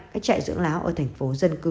các trại dưỡng láo ở thành phố dân cư